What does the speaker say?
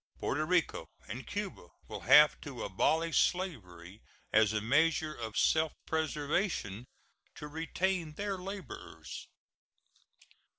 Porto Rico and Cuba will have to abolish slavery, as a measure of self preservation to retain their laborers.